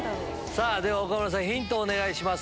岡村さんヒントをお願いします。